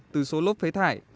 từ số lốp phế thải